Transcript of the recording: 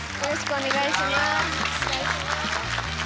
お願いします。